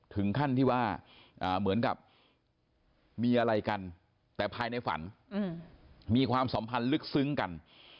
ถึงขั้นที่ว่าเหมือนกับมีอะไรกันแต่ภายในฝันมีความสัมพันธ์ลึกซึ้งกัน